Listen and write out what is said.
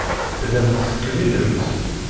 Tellamt tettkemmilemt.